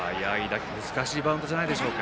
難しいバウンドじゃないでしょうか。